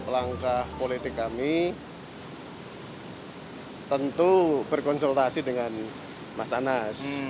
langkah politik kami tentu berkonsultasi dengan mas anas